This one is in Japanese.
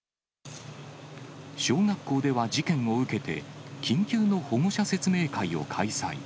小学校では事件を受けて、緊急の保護者説明会を開催。